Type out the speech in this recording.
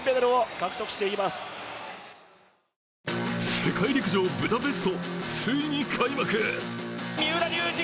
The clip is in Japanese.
世界陸上ブダペスト、ついに開幕。